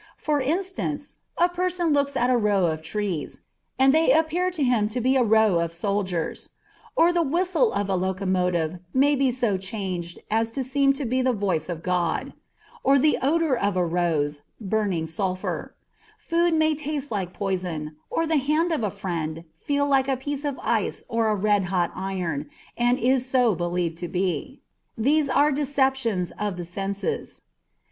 For instance, a person looks at a row of trees, and they appear to him to be a row of soldiers; or the whistle of a locomotive may be so changed as to seem to be the voice of God; or the odor of a rose, burning sulphur; food may taste like poison, or the hand of a friend feel like a piece of ice or a red hot iron, and is so believed to be. These are deceptions of the senses.